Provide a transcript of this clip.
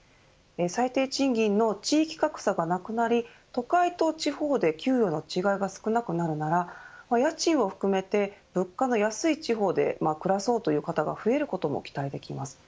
最低賃金の地域格差がなくなり都会と地方で給与の違いが少なくなるなら家賃を含めて、物価の安い地方で暮らそうという方が増えることも期待できます。